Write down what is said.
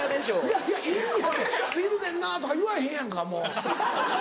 いやいや陰やて「ビルでんな」とか言わへんやんかもう。